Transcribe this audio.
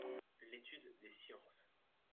L’étude des sciences.